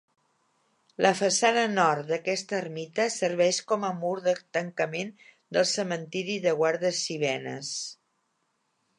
La façana nord d'aquesta ermita serveix com a mur de tancament del cementiri de Guarda-si-venes.